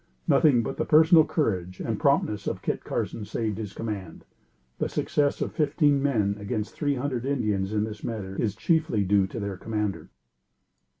Nothing but the personal courage and promptness of Kit Carson saved his command. The success of fifteen men against three hundred Indians in this manner, is chiefly due to their commander.